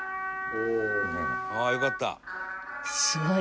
「あよかった」